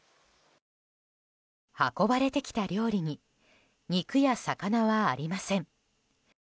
運ばれてきた料理に肉や魚はありません。